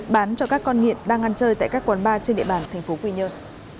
bán cho các con nghiện đang ăn chơi tại các quán bar trên địa bàn thành phố quy nhơn